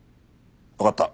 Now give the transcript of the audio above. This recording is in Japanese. わかった。